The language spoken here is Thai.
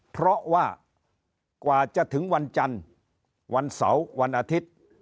เพราะว่ากว่าจะถึงวันจันทร์วันเสาร์วันอาทิตย์